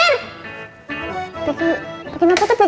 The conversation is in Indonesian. kenapa tuh pakai jus kok